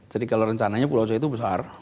jadi kalau rencananya pulau c itu besar